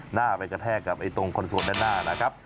หน้าไปกระแทกกับตรงคอนโซลด้านหน้านะครับ